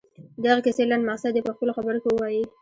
د دغې کیسې لنډ مقصد دې په خپلو خبرو کې ووايي.